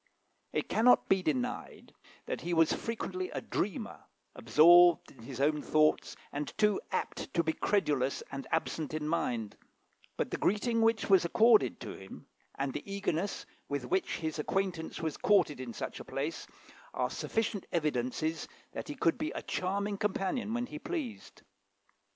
It cannot be denied that he was frequently a dreamer, absorbed in his own thoughts, and too apt to be credulous and absent in mind; but the greeting which was accorded to him, and the eagerness with which his acquaintance was courted in such a place, are sufficient evidences that he could be a charming companion when he pleased.